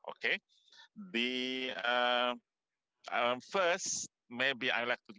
oke terima kasih banyak banyak ibu segda